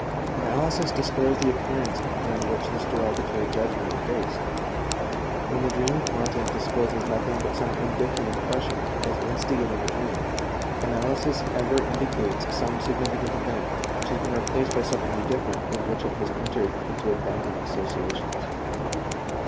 Analysis destroys the appearance upon which this derogatory judgment is based. When the dream content discloses nothing but some indifferent impression as instigating the dream, analysis ever indicates some significant event, which has been replaced by something indifferent with which it has entered into abundant associations.